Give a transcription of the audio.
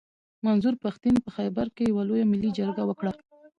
منظور پښتين په خېبر کښي يوه لويه ملي جرګه وکړه.